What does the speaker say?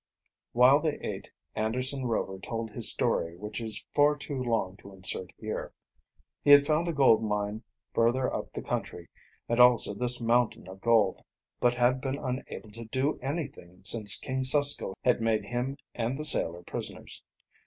While they ate, Anderson Rover told his story, which is far too long to insert here. He had found a gold mine further up the country and also this mountain of gold, but had been unable to do anything since King Susko had made him and the sailor prisoners.